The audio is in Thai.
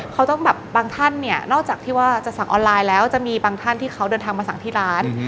เขาต้องแบบบางท่านเนี่ยนอกจากที่ว่าจะสั่งออนไลน์แล้วจะมีบางท่านที่เขาเดินทางมาสั่งที่ร้าน